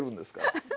アハハハ。